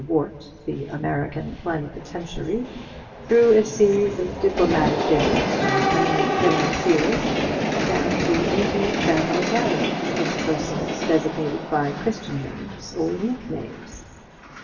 Wort, the American plenipotentiary, through a series of diplomatic dinners to eminent financiers, down to intimate family gatherings of persons designated by Christian names or nicknames.